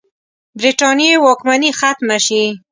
برټانیې واکمني ختمه شي.